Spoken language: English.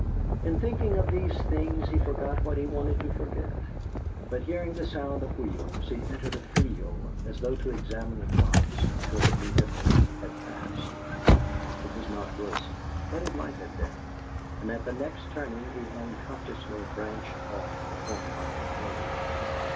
In thinking of these things he forgot what he wanted to forget; but hearing the sound of wheels, he entered a field as though to examine the crops until the vehicle had passed. It was not Wilson, but it might have been, and at the next turning he unconsciously branched off the Cornmarket road.